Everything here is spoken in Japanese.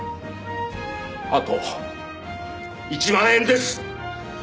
あと１万円です！